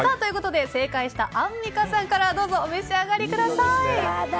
正解したアンミカさんからどうぞお召し上がりください。